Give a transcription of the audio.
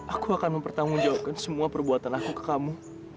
aku akan mempertanggungjawabkan semua perbuatan aku ke kamu